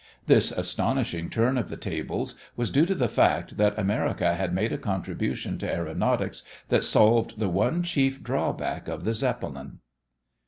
This astonishing turn of the tables was due to the fact that America had made a contribution to aëronautics that solved the one chief drawback of the Zeppelin.